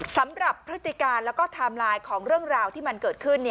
พฤติการแล้วก็ไทม์ไลน์ของเรื่องราวที่มันเกิดขึ้น